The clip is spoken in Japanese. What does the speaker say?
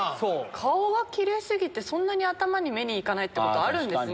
顔がきれいすぎて、そんなに頭に目がいかないってことあるんですね。